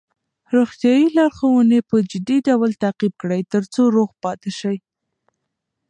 روغتیايي لارښوونې په جدي ډول تعقیب کړئ ترڅو روغ پاتې شئ.